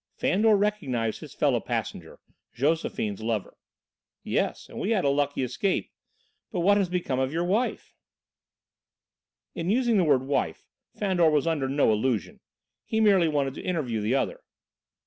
Fandor recognised his fellow passenger, Josephine's lover. "Yes, and we had a lucky escape. But what has become of your wife?" In using the word "wife" Fandor was under no illusion; he merely wanted to interview the other.